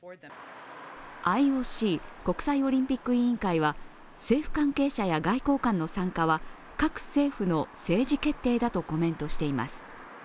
ＩＯＣ＝国際オリンピック委員会は政府関係者や外交官の参加は各政府の政治決定だとコメントしています。